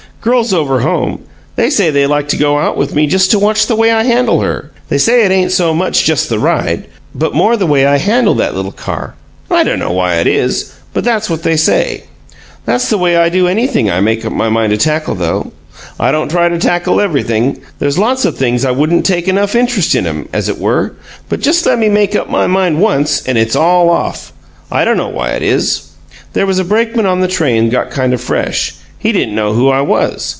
Girls over home, they say they like to go out with me just to watch the way I handle her; they say it ain't so much just the ride, but more the way I handle that little car. I dunno why it is, but that's what they say. That's the way I do anything I make up my mind to tackle, though. I don't try to tackle everything there's lots o' things I wouldn't take enough interest in 'em, as it were but just lemme make up my mind once, and it's all off; I dunno why it is. There was a brakeman on the train got kind of fresh: he didn't know who I was.